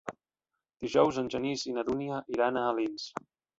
Dijous en Genís i na Dúnia iran a Alins.